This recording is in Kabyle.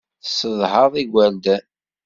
Tessedhaḍ igerdan.